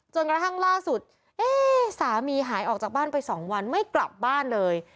กระทั่งล่าสุดสามีหายออกจากบ้านไป๒วันไม่กลับบ้านเลย